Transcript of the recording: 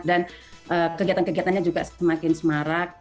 dan kegiatan kegiatannya juga semakin semarak